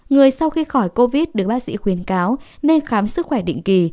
người sau khi khỏi covid được bác sĩ khuyên cáo nên khám sức khỏe định kỳ